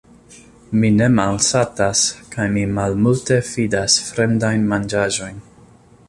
Mi ne malsatas, kaj mi malmulte fidas fremdajn manĝaĵojn.